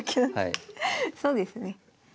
そうですね。